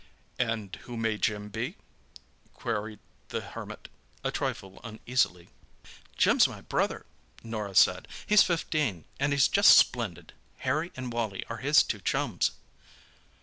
"And who may Jim be?" queried the Hermit, a trifle uneasily. "Jim's my brother," Norah said. "He's fifteen, and he's just splendid. Harry and Wally are his two chums."